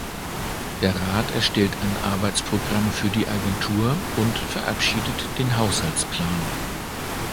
Der Rat erstellt ein Arbeitsprogramm für die Agentur und verabschiedet den Haushaltsplan.